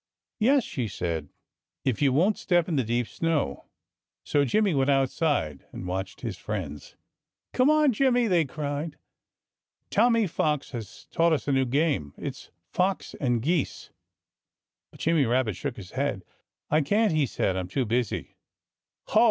"Yes!" she said, "if you won't step in the deep snow." So Jimmy went outside and watched his friends. "Come on, Jimmy!" they cried. "Tommy Fox has taught us a new game. It's fox and geese!" But Jimmy Rabbit shook his head. "I can't!" he said. "I'm too busy." "Ho!